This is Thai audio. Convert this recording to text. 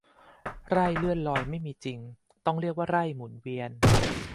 ไร่เลื่อนลอยไม่มีจริง ต้องเรียกว่าไร่หมุนเวียน